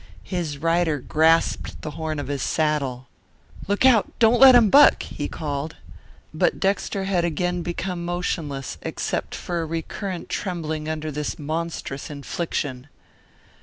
His rider grasped the horn of his saddle. "Look out, don't let him buck," he called. But Dexter had again become motionless, except for a recurrent trembling under this monstrous infliction.